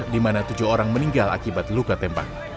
di mana tujuh orang meninggal akibat luka tembak